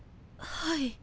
はい。